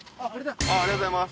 ありがとうございます。